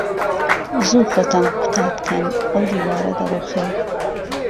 زوو خۆتان قوتار بکەن، ئەو دیوارە دەڕووخێ.